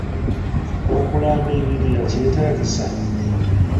Okulamba ebibira kyetaagisa?